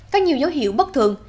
có nhiều dấu hiệu bất thường